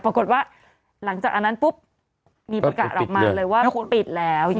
ปรากฏว่าหลังจากอันนั้นปุ๊บมีประกาศออกมาเลยว่าคุณปิดแล้ว